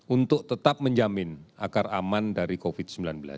untuk tetap menjamin agar aman dari covid sembilan belas